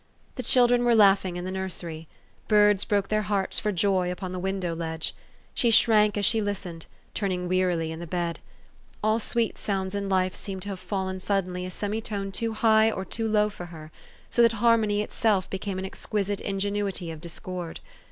The children were laughing in the nursery. Birds broke their hearts for joy upon the window ledge. She shrank as she listened, turning wearily in bed. All sweet sounds in life seemed to have fallen sud denly a semi tone too high or too low for her, so THE STORY OF AVIS. 353 that harmony itself became an exquisite ingenuity of discord.